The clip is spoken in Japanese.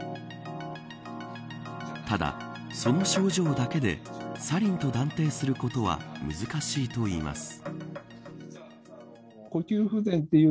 ただ、その症状だけでサリンと断定することは難しいといいます。